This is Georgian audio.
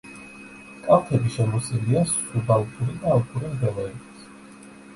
კალთები შემოსილია სუბალპური და ალპური მდელოებით.